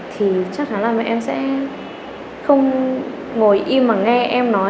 thì chắc thẳng là mẹ em sẽ không ngồi im mà nghe em nói